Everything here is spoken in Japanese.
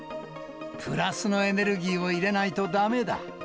プラスのエネルギーを入れないとだめだ。